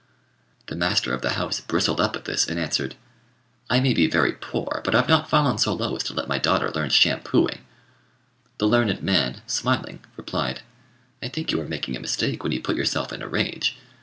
The master of the house bristled up at this and answered "I may be very poor, but I've not fallen so low as to let my daughter learn shampooing." The learned man, smiling, replied, "I think you are making a mistake when you put yourself in a rage.